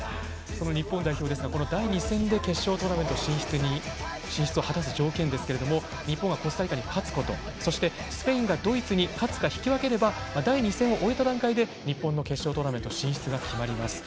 その日本代表ですが第２戦で決勝トーナメント進出を果たす条件ですが日本がコスタリカに勝つことそしてスペインがドイツに勝つか引き分ければ、第２戦を終えた段階で、日本の決勝トーナメント進出が決まります。